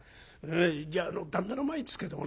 じゃあ旦那の前ですけどもね